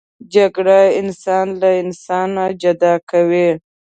جګړه انسان له انسان جدا کوي